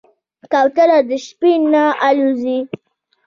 کوتره د شپې نه الوزي.